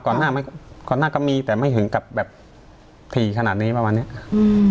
หน้าไม่ก่อนหน้าก็มีแต่ไม่ถึงกับแบบถี่ขนาดนี้ประมาณเนี้ยอืม